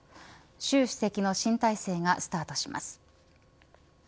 習主席の新体制がスタートします。